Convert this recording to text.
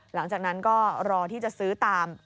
หลังจากนั้นก็รอที่จะซื้อตาม